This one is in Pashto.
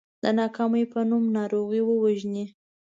د ناکامۍ په نوم ناروغي ووژنئ .